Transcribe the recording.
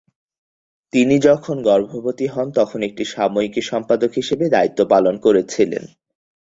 তিনি যখন গর্ভবতী হন, তখন একটি সাময়িকীর সম্পাদক হিসেবে দায়িত্ব পালন করছিলেন।